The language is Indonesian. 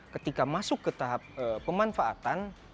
ketika masuk ke tahap pemanfaatan